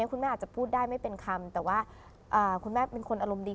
คุณแม่อาจจะพูดได้ไม่เป็นคำแต่ว่าคุณแม่เป็นคนอารมณ์ดี